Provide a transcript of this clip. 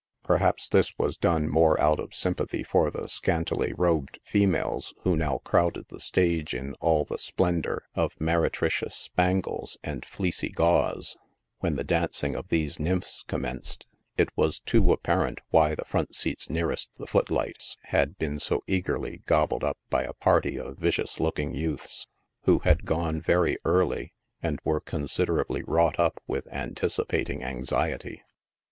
Perhaps this was done more out of sympathy for the scantily robed females who now crowded the stage in all the splendor of meretricious spangles ana* fleecy gauze. When the dancing of these nymphs commenced, it was too apparent why the front seats nearest the foot lights had been so eagerly gobbled up by a party of vicious looking youths, who had gone very early, and were considerably wrought up with anticipating anxiety.